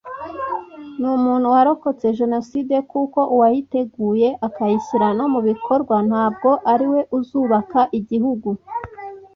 ni umuntu warokotse Jenoside kuko uwayiteguye akayishyira no mu bikorwa ntabwo ari we uzubaka igihugu